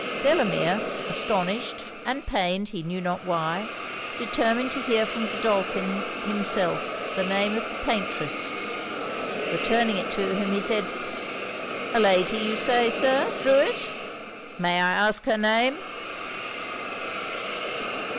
Delamere, astonished and pained he knew not why, determined to hear from Godolphin himself the name of the paintress: returning it to him, he said 'A lady, you say, Sir, drew it. May I ask her name?'